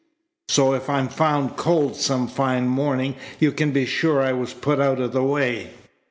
So if I'm found cold some fine morning you can be sure I was put out of the way.'"